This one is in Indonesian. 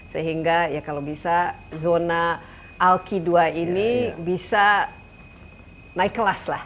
sehingga ya kalau bisa zona alki dua ini bisa naik kelas lah